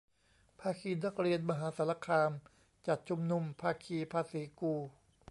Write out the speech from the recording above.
ภาคีนักเรียนมหาสารคาม จัดชุมนุม ภาคีภาษีกู